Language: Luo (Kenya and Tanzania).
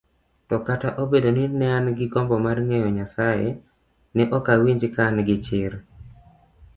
To kata obedo ni nean gi gombo marng'eyo Nyasaye, ne okawinj kaan gichir